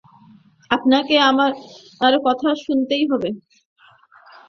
আপনাকে আমার কথা শুনতেই হবে!